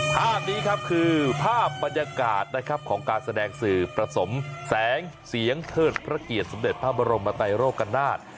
ภาพนี้ครับคือภาพบรรยากาศนะครับของการแสดงสื่อผสมแสงเสียงเทิดพระเกียรติสมเด็จพระบรมไตโรกนาฏ